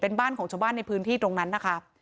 เป็นบ้านของชาวบ้านในพื้นที่ตรงนั้นนะคะ